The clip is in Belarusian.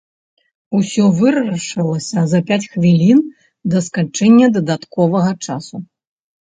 Усё вырашылася за пяць хвілін да сканчэння дадатковага часу.